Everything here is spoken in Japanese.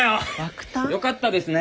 よかったですね！